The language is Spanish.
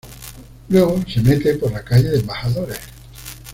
Luego, se mete por la Calle de Embajadores.